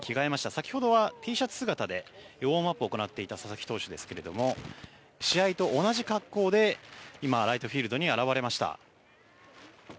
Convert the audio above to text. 先ほどはＴシャツ姿でウォームアップを行っていた佐々木投手ですけれども試合と同じ格好で今、ライトフィールドに現れました。